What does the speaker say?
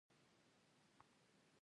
زه هره ورځ ښوونځي ته ځم باید ډک شي.